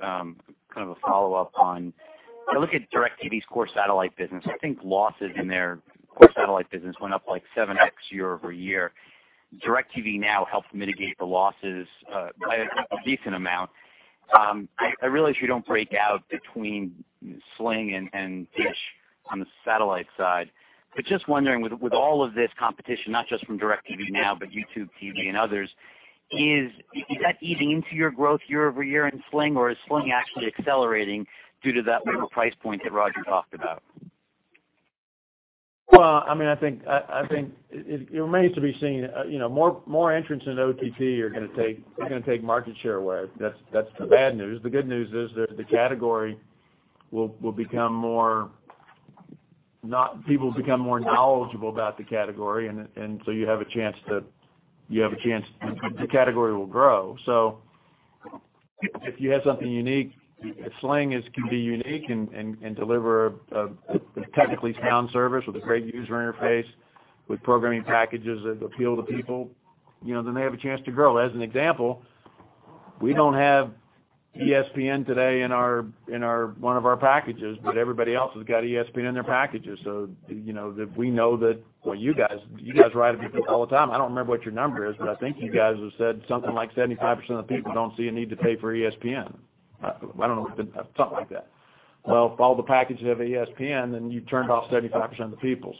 kind of a follow-up on, you look at DIRECTV's core satellite business, I think losses in their core satellite business went up like 7x year-over-year. DIRECTV Now helped mitigate the losses by a decent amount. I realize you don't break out between Sling and DISH on the satellite side, but just wondering, with all of this competition, not just from DIRECTV now, but YouTube TV and others, is that easing into your growth year-over-year in Sling, or is Sling actually accelerating due to that lower price point that Roger talked about? Well, I mean, I think it remains to be seen. You know, more entrants into OTT are gonna take market share away. That's the bad news. The good news is that the category will become more knowledgeable about the category, and so you have a chance the category will grow. If you have something unique, if Sling can be unique and deliver a technically sound service with a great user interface, with programming packages that appeal to people, you know, then they have a chance to grow. As an example, we don't have ESPN today in one of our packages, but everybody else has got ESPN in their packages. You know, that we know that Well, you guys, you guys write about it all the time. I don't remember what your number is, but I think you guys have said something like 75% of the people don't see a need to pay for ESPN. I don't know, something like that. Well, if all the packages have ESPN, then you've turned off 75% of the people.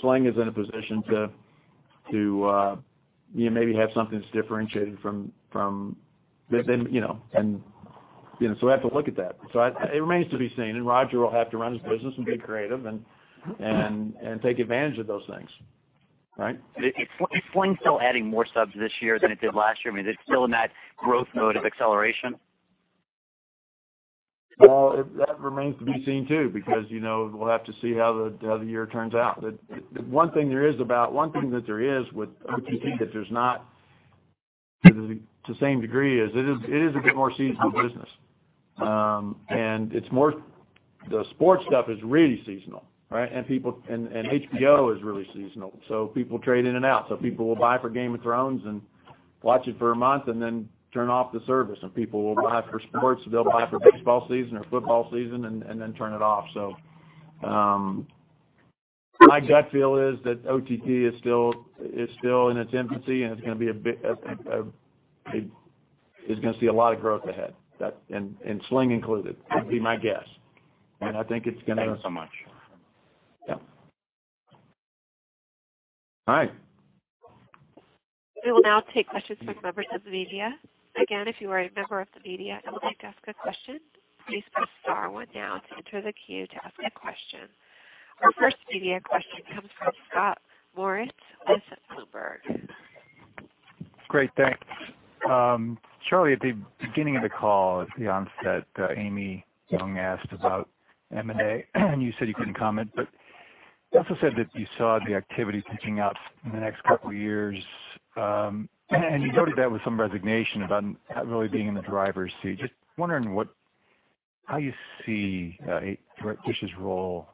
Sling is in a position to, you know, maybe have something that's differentiated from that than, you know, and, you know, we have to look at that. It remains to be seen, and Roger will have to run his business and be creative and take advantage of those things, right? Is Sling still adding more subs this year than it did last year? I mean, is it still in that growth mode of acceleration? Well, that remains to be seen, too, because, you know, we'll have to see how the year turns out. The one thing that there is with OTT that there's not to the same degree is it is a bit more seasonal business. The sports stuff is really seasonal, right? People and HBO is really seasonal, people trade in and out. People will buy for Game of Thrones and watch it for a month and then turn off the service, people will buy for sports. They'll buy for baseball season or football season and then turn it off. My gut feel is that OTT is still in its infancy, and it's gonna see a lot of growth ahead that, and Sling included. Would be my guess. Thanks so much. Yeah. All right. We will now take questions from members of the media. Again, if you are a member of the media and would like to ask a question, please press star one now to enter the queue to ask a question. Our first media question comes from Scott Moritz at Bloomberg. Great, thanks. Charlie, at the beginning of the call, at the onset, Amy Yong asked about M&A, and you said you couldn't comment, but you also said that you saw the activity picking up in the next couple years, and you noted that with some resignation about not really being in the driver's seat. Just wondering how you see DIRECTV's role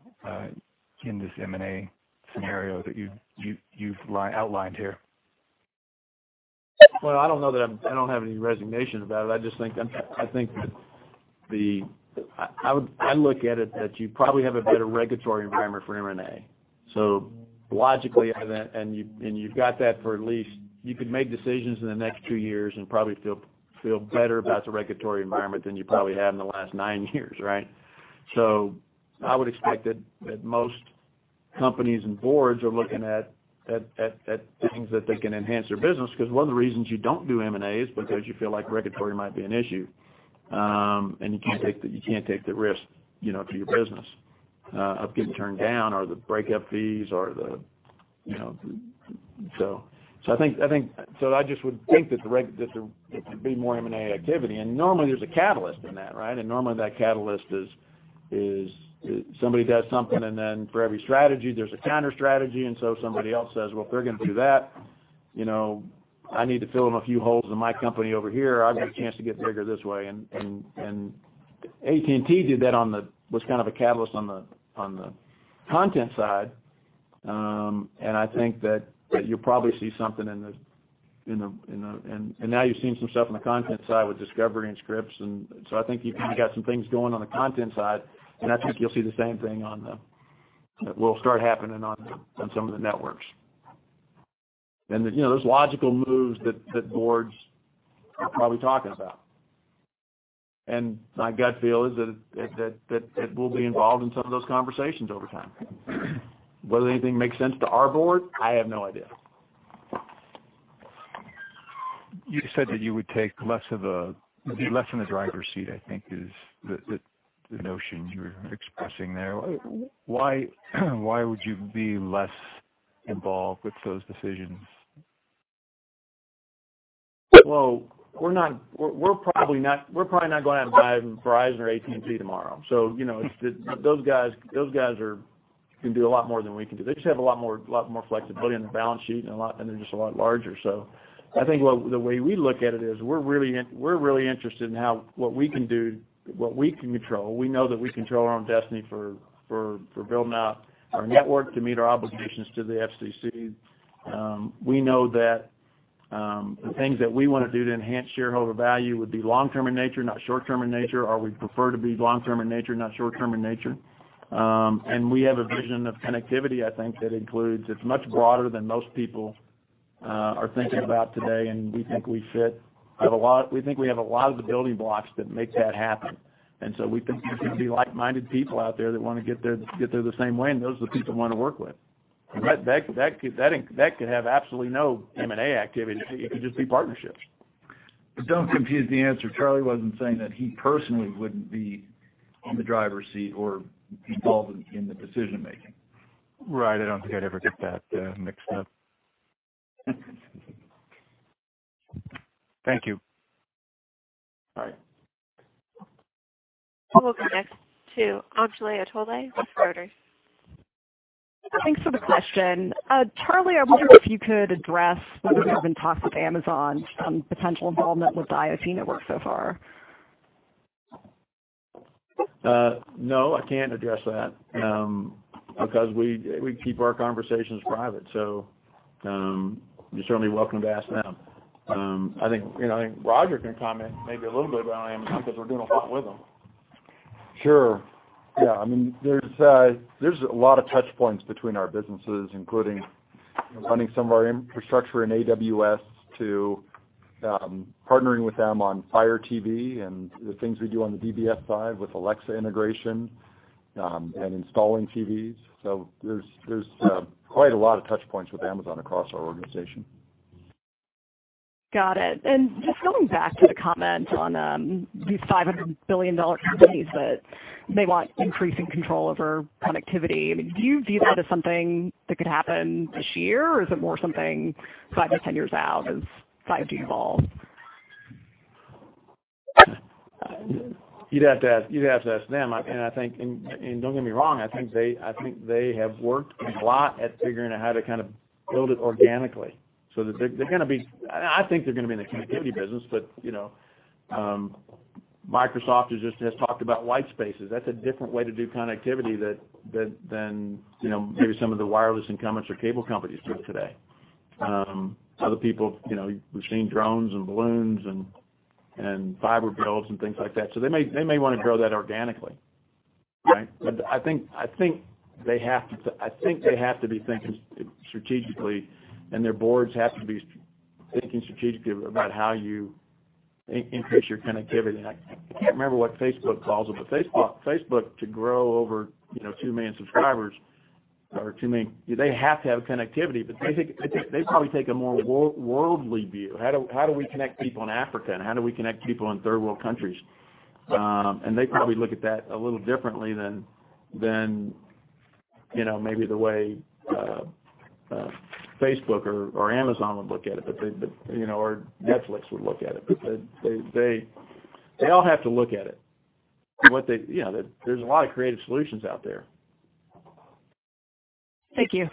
in this M&A scenario that you've outlined here. Well, I don't know that I don't have any resignation about it. I just think that I look at it that you probably have a better regulatory environment for M&A. Logically, other than And you've got that for at least You could make decisions in the next two years and probably feel better about the regulatory environment than you probably have in the last nine years, right? I would expect that most companies and boards are looking at things that they can enhance their business, 'cause one of the reasons you don't do M&A is because you feel like regulatory might be an issue. You can't take the risk, you know, to your business of getting turned down or the breakup fees or the, you know. I just would think that there'd be more M&A activity. Normally, there's a catalyst in that, right? Normally, that catalyst is somebody does something, for every strategy, there's a counter-strategy, somebody else says, "Well, if they're gonna do that, you know, I need to fill in a few holes in my company over here. I've got a chance to get bigger this way." AT&T did that was kind of a catalyst on the content side. I think that you'll probably see something in the. Now you're seeing some stuff on the content side with Discovery and Scripps. I think you got some things going on the content side, and I think you'll see the same thing will start happening on some of the networks. You know, those logical moves that boards are probably talking about. My gut feel is that it will be involved in some of those conversations over time. Whether anything makes sense to our board, I have no idea. You said that you would be less in the driver's seat, I think is the notion you're expressing there. Why would you be less involved with those decisions? We're probably not going to have Verizon or AT&T tomorrow. You know, it's the Those guys are can do a lot more than we can do. They just have a lot more flexibility in their balance sheet and a lot, and they're just a lot larger. I think the way we look at it is we're really interested in what we can do, what we can control. We know that we control our own destiny for building out our network to meet our obligations to the FCC. We know that the things that we want to do to enhance shareholder value would be long-term in nature, not short-term in nature, or we prefer to be long-term in nature, not short-term in nature. We have a vision of connectivity, I think, that includes. It's much broader than most people are thinking about today, and we think we fit. We think we have a lot of the building blocks that make that happen. We think there's gonna be like-minded people out there that wanna get there, get there the same way, and those are the people we wanna work with. That could have absolutely no M&A activity. It could just be partnerships. Don't confuse the answer. Charlie wasn't saying that he personally wouldn't be in the driver's seat or involved in the decision-making. Right. I don't think I'd ever get that mixed up. Thank you. All right. We'll go next to [Anjuli Athale] with [Reuters]. Thanks for the question. Charlie, I wonder if you could address whether there have been talks with Amazon, some potential involvement with the IoT network so far. No, I can't address that because we keep our conversations private. You're certainly welcome to ask them. I think, you know, I think Roger can comment maybe a little bit about Amazon because we're doing a lot with them. Sure. Yeah. I mean, there's a lot of touch points between our businesses, including, you know, running some of our infrastructure in AWS to partnering with them on Fire TV and the things we do on the DBS side with Alexa integration and installing TVs. There's quite a lot of touch points with Amazon across our organization. Got it. Just going back to the comment on these $500 billion companies that may want increasing control over connectivity, I mean, do you view that as something that could happen this year, or is it more something five to 10 years out as 5G evolves? You'd have to ask them. I think, and don't get me wrong, I think they have worked a lot at figuring out how to kind of build it organically so that they're gonna be I think they're gonna be in the connectivity business, but, you know, Microsoft has talked about white spaces. That's a different way to do connectivity that than, you know, maybe some of the wireless incumbents or cable companies do today. Other people, you know, we've seen drones and balloons and fiber builds and things like that. They may wanna grow that organically, right? I think they have to be thinking strategically, and their boards have to be thinking strategically about how you increase your connectivity. I can't remember what Facebook calls it, Facebook to grow over, you know, 2 million subscribers or 2 million, they have to have connectivity. I think they probably take a more worldly view. How do we connect people in Africa, and how do we connect people in third world countries? They probably look at that a little differently than, you know, maybe the way Facebook or Amazon would look at it, they, you know, or Netflix would look at it. They all have to look at it. You know, there's a lot of creative solutions out there. Thank you.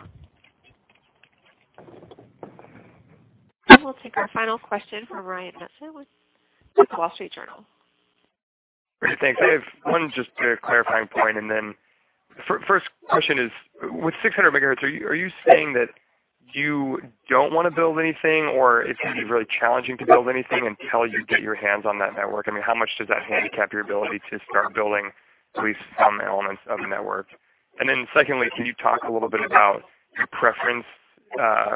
We'll take our final question from Ryan Knutson with The Wall Street Journal. Great. Thanks. I have one just clarifying point, and then first question is, with 600 MHz, are you saying that you don't wanna build anything or it's gonna be really challenging to build anything until you get your hands on that network? I mean, how much does that handicap your ability to start building at least some elements of the network? Secondly, can you talk a little bit about your preference,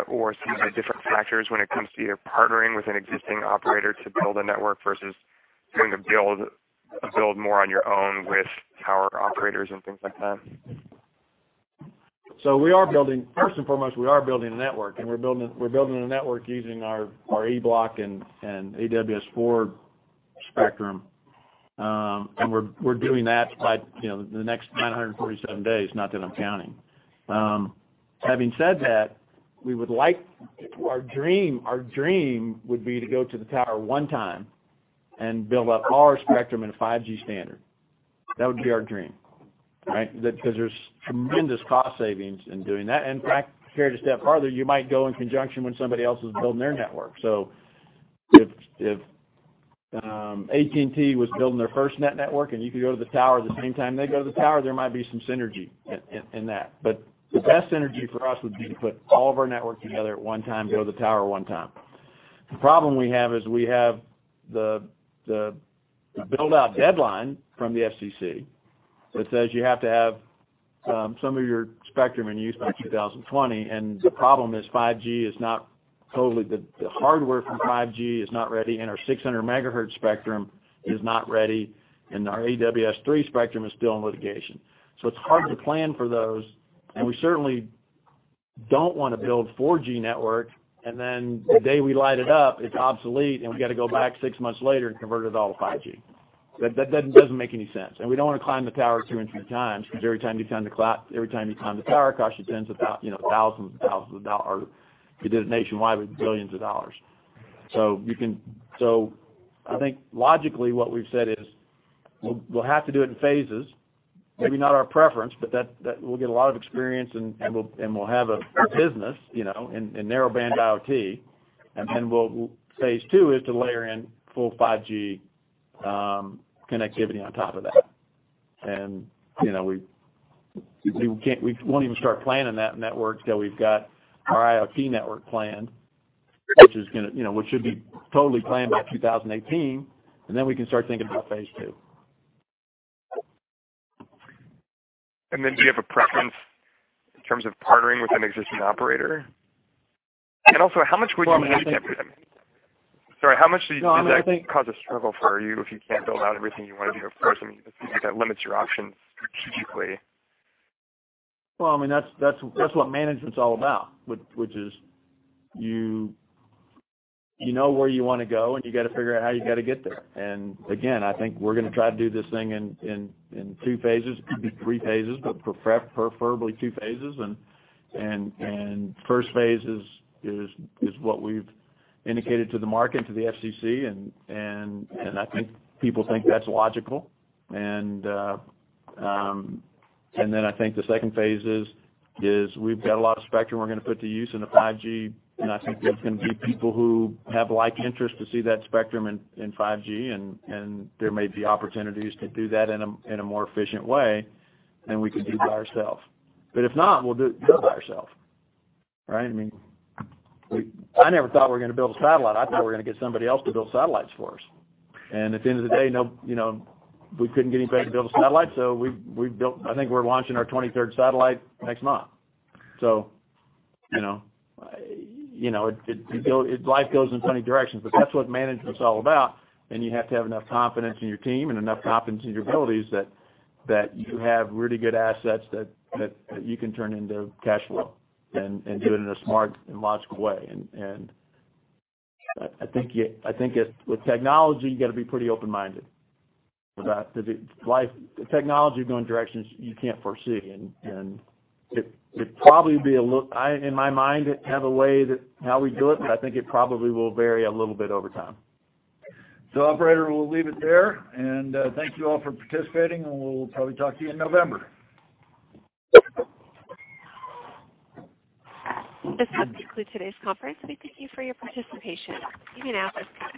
or some of the different factors when it comes to either partnering with an existing operator to build a network versus trying to build more on your own with tower operators and things like that? First and foremost, we are building a network, and we're building a network using our E Block and AWS4 spectrum. We're doing that by, you know, the next 947 days, not that I'm counting. Having said that, our dream would be to go to the tower one time and build up our spectrum in a 5G standard. That would be our dream, right? There's tremendous cost savings in doing that. Carry it a step farther, you might go in conjunction when somebody else is building their network. If AT&T was building their FirstNet network and you could go to the tower the same time they go to the tower, there might be some synergy in that. The best synergy for us would be to put all of our network together at one time, build the tower one time. The problem we have is we have the build-out deadline from the FCC that says you have to have some of your spectrum in use by 2020, and the problem is 5G is not totally the hardware for 5G is not ready, and our 600 MHz spectrum is not ready, and our AWS-3 spectrum is still in litigation. It's hard to plan for those, and we certainly don't wanna build 4G network and then the day we light it up, it's obsolete, and we gotta go back six months later and convert it all to 5G. That doesn't make any sense. We don't wanna climb the tower two and three times, because every time you climb the tower, it costs you tens of, you know, thousands of dollars or if you did it nationwide, it would be billions of dollars. I think logically what we've said is we'll have to do it in phases. Maybe not our preference, but that we'll get a lot of experience and we'll have a business, you know, in Narrowband IoT. Then phase two is to layer in full 5G connectivity on top of that. You know, we won't even start planning that network till we've got our IoT network planned, which is going to, you know, which should be totally planned by 2018, and then we can start thinking about phase II. Do you have a preference in terms of partnering with an existing operator? Also, how much would you handicap them? Well, I mean. Sorry, how much do you- No, I mean. Does that cause a struggle for you if you can't build out everything you wanna do? Of course, I mean, if that limits your options strategically. Well, I mean, that's what management's all about. Which is you know where you wanna go, and you gotta figure out how you gotta get there. Again, I think we're gonna try to do this thing in two phases. Could be three phases, but preferably two phases. First phase is what we've indicated to the market, to the FCC, and I think people think that's logical. I think the second phase is we've got a lot of spectrum we're gonna put to use in the 5G, and I think there's gonna be people who have like interest to see that spectrum in 5G and there may be opportunities to do that in a more efficient way than we could do by ourself. If not, we'll do it by ourselves, right. I mean, I never thought we were going to build a satellite. I thought we were going to get somebody else to build satellites for us. At the end of the day, no, you know, we couldn't get anybody to build a satellite, so we built I think we're launching our 23rd satellite next month. You know, you know, life goes in funny directions. That's what management's all about, and you have to have enough confidence in your team and enough confidence in your abilities that you have really good assets that you can turn into cash flow and do it in a smart and logical way. I think you, I think with technology, you gotta be pretty open-minded about the life technology going directions you can't foresee. It probably would be a little I, in my mind, have a way that how we do it, but I think it probably will vary a little bit over time. Operator, we'll leave it there. Thank you all for participating, and we'll probably talk to you in November. This does conclude today's conference. We thank you for your participation. You may now disconnect.